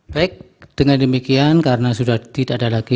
baik dengan demikian karena sudah tidak ada lagi